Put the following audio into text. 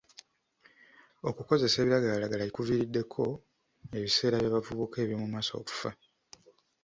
Okukozesa ebiragala kuviiriddeko ebiseera by'abavubuka eby'omu maaso okufa.